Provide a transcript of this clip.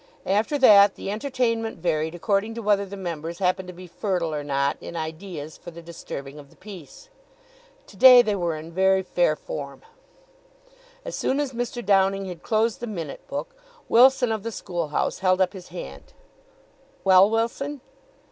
After that the entertainment varied according to whether the members happened to be fertile or not in ideas for the disturbing of the peace. To day they were in very fair form. As soon as Mr. Downing had closed the minute book, Wilson, of the School House, held up his hand. "Well, Wilson?"